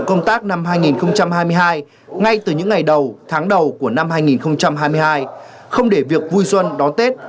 công tác năm hai nghìn hai mươi hai ngay từ những ngày đầu tháng đầu của năm hai nghìn hai mươi hai không để việc vui xuân đón tết